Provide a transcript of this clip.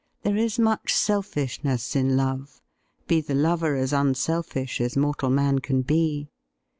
there is much selfishness in love, be the lover as unselfish as mortal man can be.